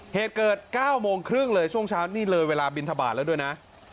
เหตุเกิด๙โมงครึ่งเลยช่วงเช้านี่เลยเวลาบินทบาทแล้วด้วยนะ